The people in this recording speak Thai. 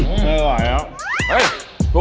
อืมอร่อยแล้ว